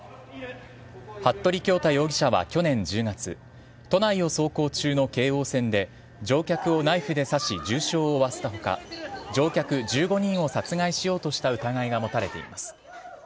服部恭太容疑者は去年１０月都内を走行中の京王線で乗客をナイフで刺し重傷を負わせた他乗客１５人を殺害しようとした疑いが持たれています。